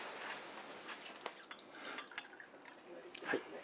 はい。